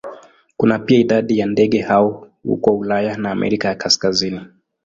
Kuna pia idadi ya ndege hao huko Ulaya na Amerika ya Kaskazini.